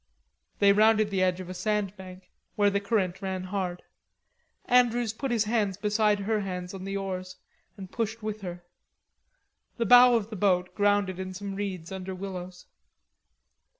They rounded the edge of a sand bank where the current ran hard. Andrews put his hands beside her hands on the oars, and pushed with her. The bow of the boat grounded in some reeds under willows.